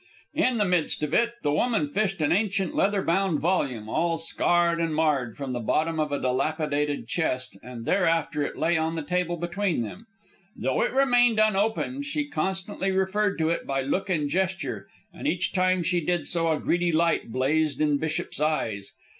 In the midst of it, the woman fished an ancient leather bound volume, all scarred and marred, from the bottom of a dilapidated chest, and thereafter it lay on the table between them. Though it remained unopened, she constantly referred to it by look and gesture, and each time she did so a greedy light blazed in Bishop's eyes.